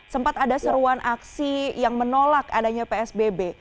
sempat ada seruan aksi yang menolak adanya psbb